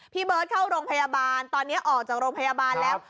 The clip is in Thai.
พี่เบิร์ตเข้าโรงพยาบาลตอนนี้ออกจากโรงพยาบาลแล้ว